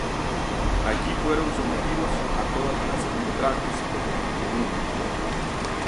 Allí fueron sometidos a toda clase de ultrajes por la muchedumbre.